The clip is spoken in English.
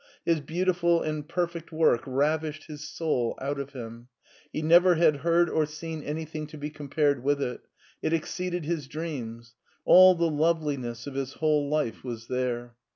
His beautiful and perfect work ravished his sotd out of him; he never had heard or seen anything to be compared with it; it exceeded his dreams; all the loveliness of his whole life was there.